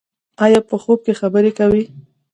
ایا په خوب کې خبرې کوئ؟